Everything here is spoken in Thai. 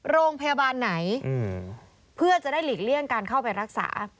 โรงพยาบาลไหนเพื่อจะได้หลีกเลี่ยงการเข้าไปรักษา